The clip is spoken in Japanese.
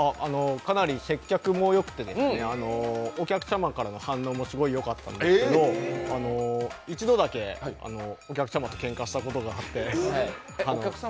かなり接客もよくて、お客様からの反応もすごくよかったんですけれども、１度だけお客様とけんかしたことがあって。